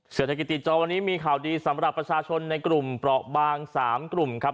เศรษฐกิจติดจอวันนี้มีข่าวดีสำหรับประชาชนในกลุ่มเปราะบาง๓กลุ่มครับ